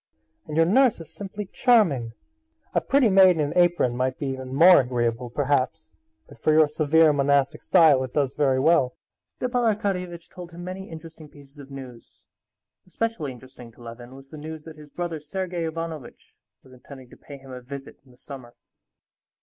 "And your nurse is simply charming! A pretty maid in an apron might be even more agreeable, perhaps; but for your severe monastic style it does very well." Stepan Arkadyevitch told him many interesting pieces of news; especially interesting to Levin was the news that his brother, Sergey Ivanovitch, was intending to pay him a visit in the summer.